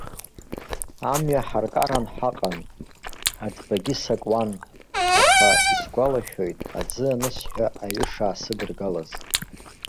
Амҩа ҳаркаран ҳаҟан, аӡбагьы сакуан, аха, исгәалашәоит, аӡы анысҳәа аҩы шаасыдыргалаз.